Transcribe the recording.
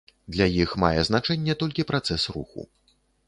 Для іх мае значэнне толькі працэс руху.